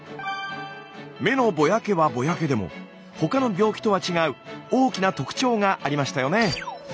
目のぼやけはぼやけでも他の病気とは違う大きな特徴がありましたよね。